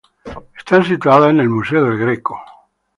Están situadas en el museo del Greco.